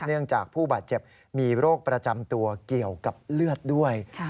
เนื่องจากผู้บาดเจ็บมีโรคประจำตัวเกี่ยวกับเลือดด้วย